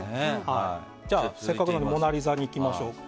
じゃあ、せっかくなのでモナ・リザにいきましょう。